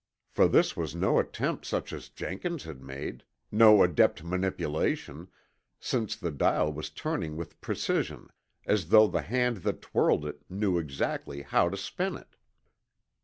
For this was no attempt such as Jenkins had made, no adept manipulation, since the dial was turning with precision, as though the hand that twirled it knew exactly how to spin it.